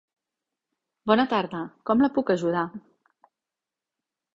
Bona tarda, com la puc ajudar?